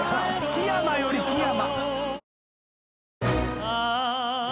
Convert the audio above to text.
木山より木山。